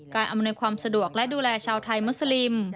อำนวยความสะดวกและดูแลชาวไทยมุสลิม